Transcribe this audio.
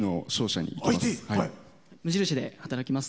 無印で働きます。